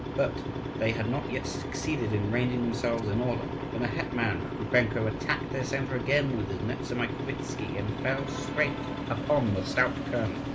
But they had not yet succeeded in ranging themselves in order, when the hetman Kukubenko attacked their centre again with his Nezamaikovtzi and fell straight upon the stout colonel.